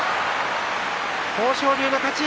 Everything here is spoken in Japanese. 豊昇龍の勝ち。